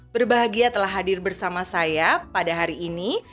berbahagia telah hadir bersama saya pada hari ini